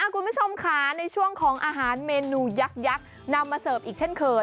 คุณผู้ชมค่ะในช่วงของอาหารเมนูยักษ์นำมาเสิร์ฟอีกเช่นเคย